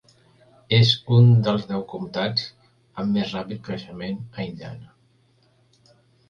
És un dels deu comtats amb més ràpid creixement a Indiana.